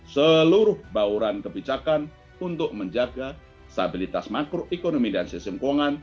seluruh bauran kebijakan untuk menjaga stabilitas makroekonomi dan sistem keuangan